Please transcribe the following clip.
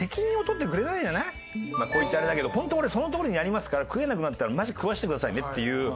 こう言っちゃあれだけど「ホント俺そのとおりにやりますから食えなくなったらマジ食わせてくださいね」っていう。